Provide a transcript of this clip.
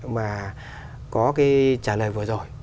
mà có cái trả lời vừa rồi